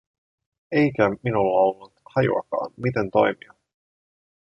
Eikä minulla ollut hajuakaan, miten toimia.